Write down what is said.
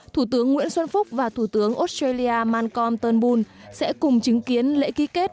thủ tướng nguyễn xuân phúc và thủ tướng australia mancon turnbull sẽ cùng chứng kiến lễ ký kết